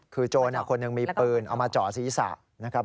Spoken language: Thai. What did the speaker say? คือโจรคนหนึ่งมีปืนเอามาเจาะศีรษะนะครับ